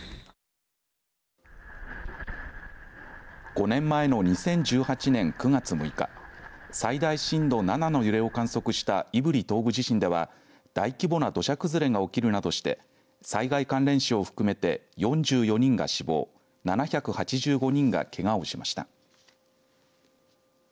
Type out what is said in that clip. ５年前の２０１８年９月３日最大震度７の揺れを観測した胆振東部地震では大規模な土砂崩れが起きるなどして災害関連死を含めて計４４人が死亡７８５人がけがをしました。